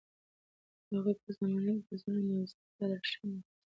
د هغوی په زمانه کې د ظلم او استبداد ریښې له منځه لاړې.